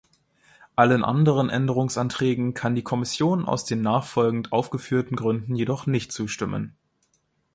Allen anderen Änderungsanträgen kann die Kommission aus den nachfolgend aufgeführten Gründen jedoch nicht zustimmen.